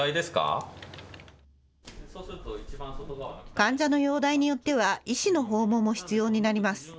患者の容体によっては医師の訪問も必要になります。